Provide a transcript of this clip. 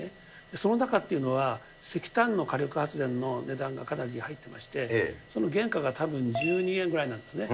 その中というというのは、石炭の火力発電の値段がかなり入ってまして、その原価がたぶん１２円ぐらいなんですね。